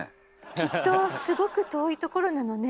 きっとすごく遠いところなのね。